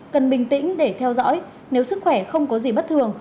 cần bình tĩnh để theo dõi nếu sức khỏe không có gì bất thường